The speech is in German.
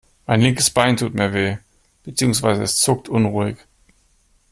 Mein linkes Bein tut mir weh, beziehungsweise es zuckt unruhig.